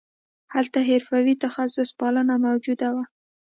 هلته حرفوي تخصص پالنه موجود وو